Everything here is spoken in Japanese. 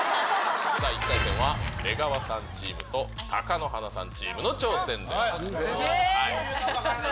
１回戦は出川さんチームと貴乃花さんチームの挑戦でございます。